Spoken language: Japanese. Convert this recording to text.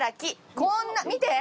こんな見て！